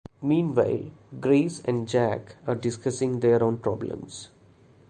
Meanwhile, Grace and Jack are discussing their own problems.